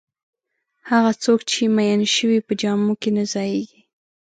هغه څوک چې میین شوی په جامو کې نه ځایېږي.